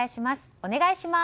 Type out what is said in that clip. お願いします。